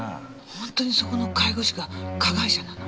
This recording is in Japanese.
本当にそこの介護士が加害者なの？